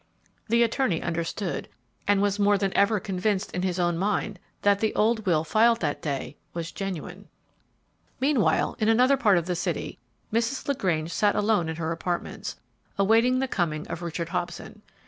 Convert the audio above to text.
The attorney understood, and was more than ever convinced in his ow mind that the old will filed that day was genuine. Meanwhile, in another part of the city, Mrs. LaGrange sat alone in her apartments, awaiting the coming of Richard Hobson.